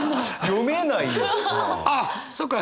あっそうか！